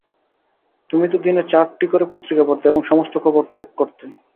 তুমি তো দিনে চারটি করে পত্রিকা পড়তে, এবং সমস্ত খবর টেপ করতে।